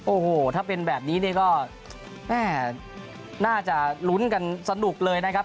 โอ้โหถ้าเป็นแบบนี้เนี่ยก็แม่น่าจะลุ้นกันสนุกเลยนะครับ